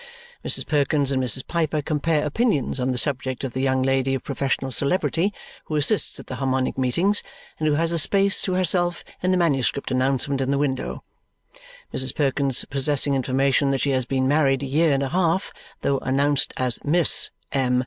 Mrs. Perkins and Mrs. Piper compare opinions on the subject of the young lady of professional celebrity who assists at the Harmonic Meetings and who has a space to herself in the manuscript announcement in the window, Mrs. Perkins possessing information that she has been married a year and a half, though announced as Miss M.